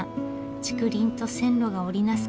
竹林と線路が織り成す